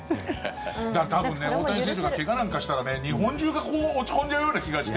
だから多分大谷選手が怪我なんかしたらね日本中が落ち込んじゃうような気がして。